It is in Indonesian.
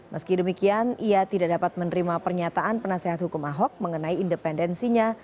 meski demikian ia tidak dapat menerima pernyataan penasehat hukum ahok mengenai independensinya